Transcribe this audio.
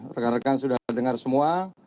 rekan rekan sudah dengar semua